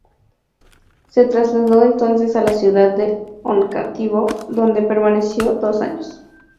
Se trasladó entonces a la ciudad de Oncativo, donde permaneció dos años.